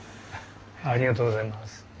ありがとうございます。